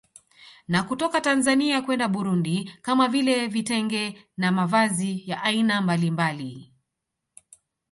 Na kutoka Tanzania kwenda Burundi kama vile Vitenge na mavazi ya aina mbalimbali